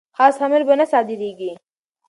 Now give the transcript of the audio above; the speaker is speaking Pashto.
خاص امر به نه صادریږي.